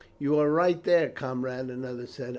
"You are right there, comrade," another said.